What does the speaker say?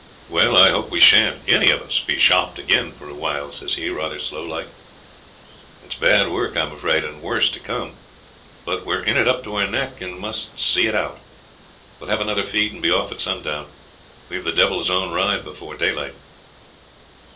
'Well, I hope we shan't, any of us, be shopped again for a while,' says he, rather slow like. 'It's bad work, I'm afraid, and worse to come; but we're in it up to our neck and must see it out. We'll have another feed and be off at sundown. We've the devil's own ride before daylight.'